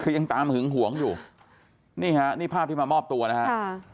ยังตามหึงห่วงอยู่นี่ภาพที่มามอบตัวนะครับ